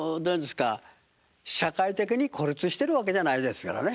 社会的に孤立してるわけじゃないですからね。